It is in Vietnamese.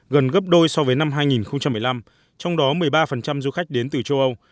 gần gấp đôi so với năm hai nghìn một mươi năm trong đó một mươi ba du khách đến từ châu âu